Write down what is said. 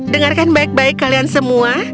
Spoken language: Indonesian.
dengarkan baik baik kalian semua